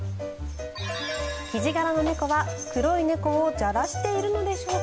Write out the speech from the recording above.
キジ柄の猫は、黒い猫をじゃらしているのでしょうか？